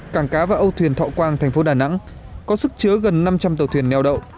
cảng cá và âu thuyền thọ quang thành phố đà nẵng có sức chứa gần năm trăm linh tàu thuyền neo đậu